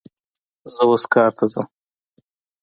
زه اوس کار ته ځم